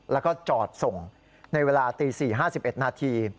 แล้วก็จอดส่งในเวลาตี๔๕๑นาที